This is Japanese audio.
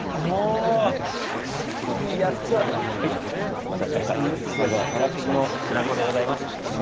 まずはトラフグの白子でございます。